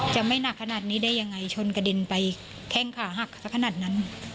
จะไม่หนักขนาดนี้ได้ยังไงชนกระเด็นไปแข้งขาหักสักขนาดนั้น